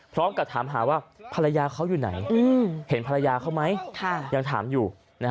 พร้อมกับถามหาว่าภรรยาเขาอยู่ไหนเห็นภรรยาเขาไหมยังถามอยู่